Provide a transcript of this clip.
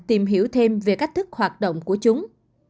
tìm hiểu thêm về cách thức hoạt động của chúng